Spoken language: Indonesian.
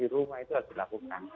rumah itu harus dilakukan